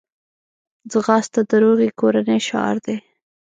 ځغاسته د روغې کورنۍ شعار دی